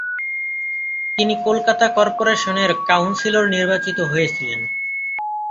তিনি কলকাতা কর্পোরেশনের কাউন্সিলর নির্বাচিত হয়েছিলেন।